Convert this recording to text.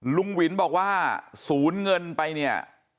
ลุงวินบอกว่าศูนย์เงินไปเนี่ย